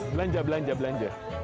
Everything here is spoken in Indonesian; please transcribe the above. belanja belanja belanja